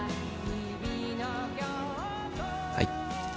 はい。